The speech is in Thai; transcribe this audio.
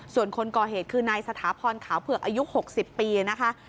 ส่วนคนก่อเหตุคือนายสถาพรขาวเผือกอายุ๖๐ปีนะคะ